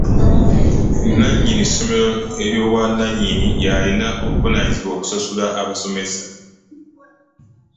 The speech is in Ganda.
Nanyini ssomero ly'obwananyini yalina obuvunanyizibwa okusasula abasomesa.